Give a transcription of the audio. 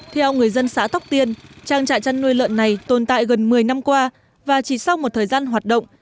theo người dân xã tóc tiên trang trại chăn nuôi lợn này tồn tại gần một mươi năm qua và chỉ sau một thời gian hoạt động